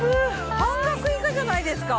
半額以下じゃないですか！